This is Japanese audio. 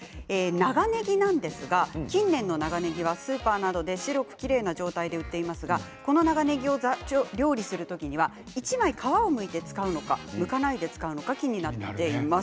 長ねぎなんですが近年の長ねぎはスーパーなどで白くきれいな状態で売っていますが、この長ねぎを料理する時には１枚皮をむいて使うのかむかないで使うのか気になっています。